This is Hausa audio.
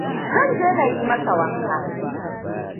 Zan je na yi masa wanka.